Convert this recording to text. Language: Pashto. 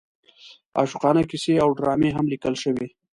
عاشقانه کیسې او ډرامې هم لیکل شوې.